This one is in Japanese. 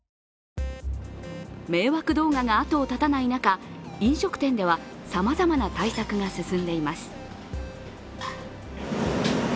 迷惑動画が後を絶たない中飲食店ではさまざまな対策が進んでいます。